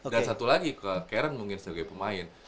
dan satu lagi ke karen mungkin sebagai pemain